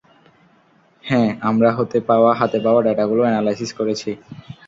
হ্যাঁ, আমরা হাতে পাওয়া ডেটাগুলো অ্যানালাইসিস করেছি।